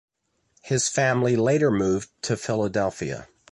His family later moved to Philadelphia.